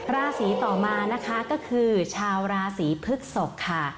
ราศีต่อมานะคะก็คือชาวราศีพฤกษกค่ะ